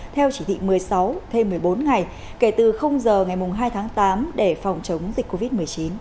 theo chỉ thị một mươi sáu thêm một mươi bốn ngày kể từ giờ ngày hai tháng tám để phòng chống dịch covid một mươi chín